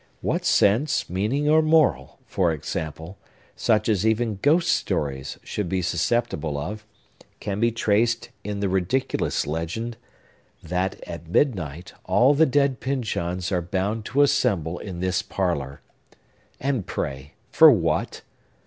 What sense, meaning, or moral, for example, such as even ghost stories should be susceptible of, can be traced in the ridiculous legend, that, at midnight, all the dead Pyncheons are bound to assemble in this parlor? And, pray, for what?